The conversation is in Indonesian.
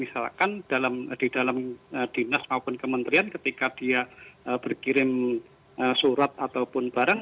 misalkan di dalam dinas maupun kementerian ketika dia berkirim surat ataupun barang